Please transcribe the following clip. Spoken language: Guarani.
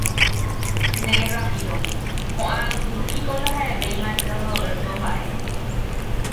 Nde Ramiro, ko'ã yvy piko ndaha'evéima tio Roberto mba'e.